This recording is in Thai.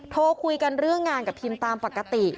โทรคุยกันเรื่องงานกับพิมตามปกติ